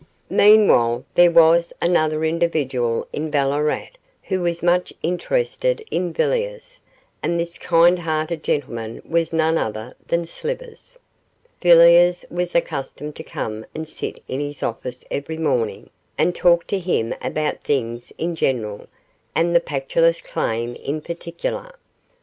Meanwhile there was another individual in Ballarat who was much interested in Villiers, and this kind hearted gentleman was none other than Slivers. Villiers was accustomed to come and sit in his office every morning, and talk to him about things in general, and the Pactolus claim in particular.